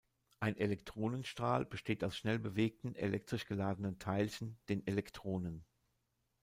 Ein Elektronenstrahl besteht aus schnell bewegten, elektrisch geladenen Teilchen, den Elektronen.